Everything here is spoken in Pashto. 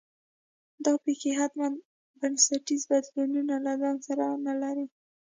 دا پېښې حتمي بنسټي بدلونونه له ځان سره نه لري.